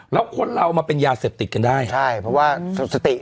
แล้วคนเรามาเป็นยาเสพติดกันได้ใช่เพราะว่าสติ